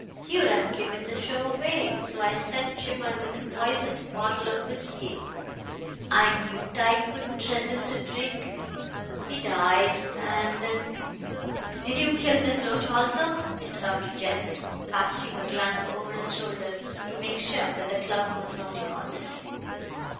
He would have given the show away, so I sent Gibber with a poisoned bottle of whisky. I knew Tyke couldn't resist a drink. He died, and " "Did you kill Miss Loach also?" interrupted Jennings, casting a glance over his shoulder to make sure that the clerk was noting all this.